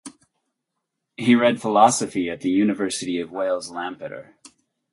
He read philosophy at the University of Wales, Lampeter.